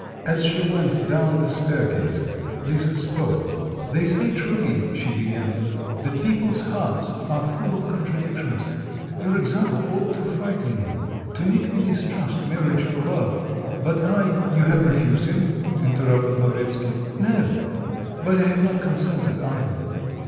As she went down the staircase, Lisa stopped. "They say truly," she began, "that people's hearts are full of contradictions. Your example ought to frighten me, to make me distrust marriage for love; but I " "You have refused him?" interrupted Lavretsky. "No; but I have not consented either.